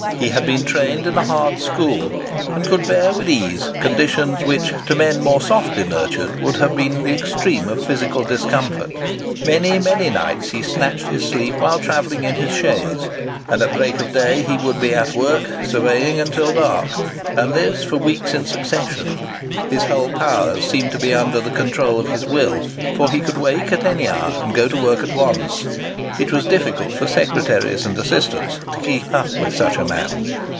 He had been trained in a hard school, and could bear with ease conditions which, to men more softly nurtured, would have been the extreme of physical discomfort. Many, many nights he snatched his sleep while travelling in his chaise; and at break of day he would be at work, surveying until dark, and this for weeks in succession. His whole powers seemed to be under the control of his will, for he could wake at any hour, and go to work at once. It was difficult for secretaries and assistants to keep up with such a man.